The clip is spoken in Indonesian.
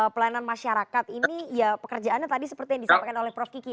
pelayanan masyarakat ini ya pekerjaannya tadi seperti yang disampaikan oleh prof kiki